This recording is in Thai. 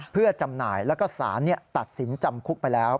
เพื่อจำหน่ายแล้วก็สารตัดสินจำคุกไปแล้ว